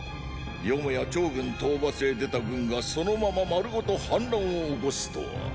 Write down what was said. よもや趙軍討伐へ出た軍がそのまま丸ごと反乱を起こすとは。